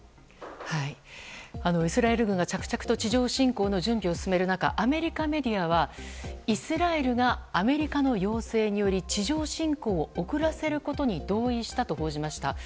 イスラエル軍が着々と地上侵攻の準備を進める中アメリカメディアはイスラエルがアメリカの要請により地上侵攻を遅らせることに同意したと報じました。